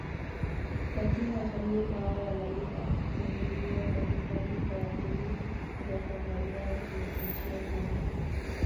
Lakini watalii hao wanalipa kiingilio kwa hifadhi kwa ajili ya kuangalia vivutio hivyo